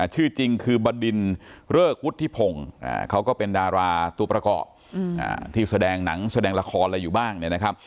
ชื่อจริงคือบดินเริกวุฒิพงศ์เขาก็เป็นดาราตัวประกอบที่แสดงหนังแสดงละครอะไรอยู่บ้างเนี่ยนะครับ